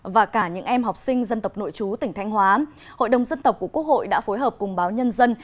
và cả những em học sinh dân tộc nội chú tỉnh thanh hóa hội đồng dân tộc của quốc hội đã phối hợp cùng báo nhân dân